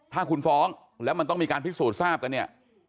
ถ้าคุณฟ้องแล้วมันต้องมีการพิสูจน์ทราบกันเนี่ย